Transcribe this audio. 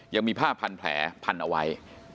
ยังมีผ้าพันแผลพันเอาไว้